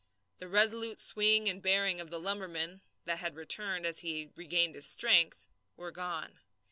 The resolute swing and bearing of the lumberman that had returned as he regained his strength were gone.